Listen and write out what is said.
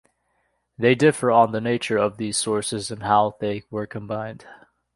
They differ on the nature of these sources and how they were combined.